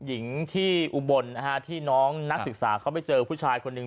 หญิงที่อุบลนะฮะที่น้องนักศึกษาเขาไปเจอผู้ชายคนหนึ่ง